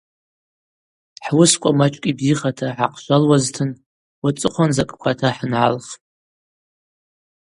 Хӏуысква мачӏкӏ йбзихата хӏгӏахъшвалуазтын, уацӏыхъван закӏквата хӏангӏалхпӏ.